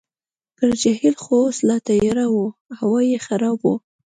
پر جهیل خو اوس لا تیاره وه، هوا یې خرابه وه.